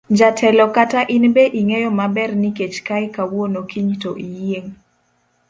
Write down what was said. Jatelo kata in be ing'eyo maber ni kech kayi kawuono kiny to iyieng'.